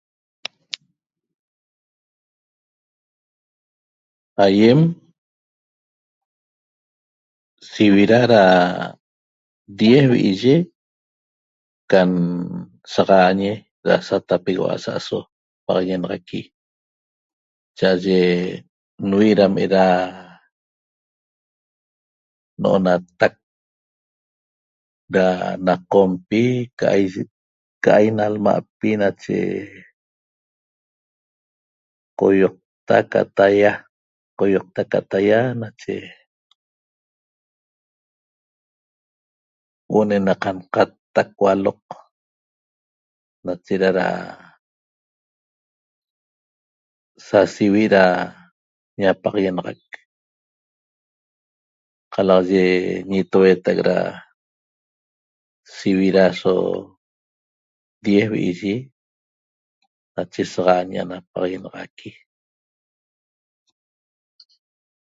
Aýem sivida da diez vi'i'ye can saxaañi da satapegueu'a asa'aso paxaguenaxaqui cha'ye nvi' dam eda n'onatac da na qompi ca'ai na lma'pi nache qoýota ca taýa qoýqta ca taýa nache huo'o ne'na qanqattac hualoq nacheda da sa sivi' da ñapaxaguenaxac qalaxaye ñitoueta'ac da sivida so diez vi'i'yi nache saxaañi ana paxaguenaxaqui